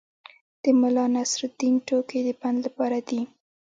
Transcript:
د ملانصرالدین ټوکې د پند لپاره دي.